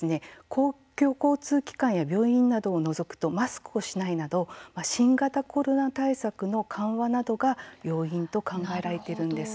公共交通機関や病院などを除くとマスクをしないなど新型コロナ対策の緩和などが要因と考えられているんです。